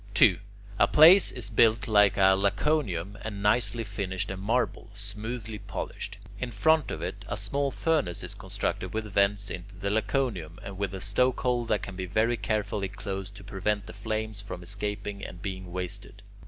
2. A place is built like a Laconicum, and nicely finished in marble, smoothly polished. In front of it, a small furnace is constructed with vents into the Laconicum, and with a stokehole that can be very carefully closed to prevent the flames from escaping and being wasted.